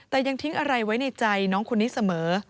แต่ยังทิ้งอะไรไว้ในใจน้องคนนี้เสมอ